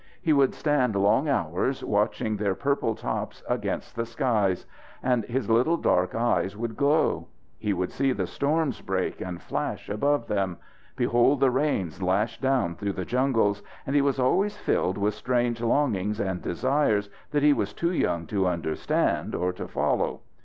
He would stand long hours watching their purple tops against the skies, and his little dark eyes would glow. He would see the storms break and flash above them, behold the rains lash down through the jungles, and he was always filled with strange longings and desires that he was too young to understand or to follow.